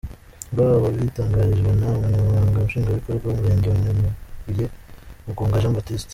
rw wabitangarijwe n’umunyamabanga nshingwabikorwa w’umurenge wa Nyamabuye Mugunga Jean Baptiste.